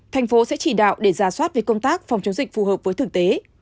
thành phố sẽ chỉ đạo để ra soát về công tác phòng chống dịch phù hợp với thực tế